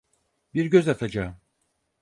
Bir göz atacağım.